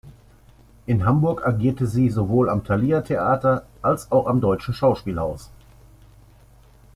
In Hamburg agierte sie sowohl am Thalia Theater als auch am Deutschen Schauspielhaus.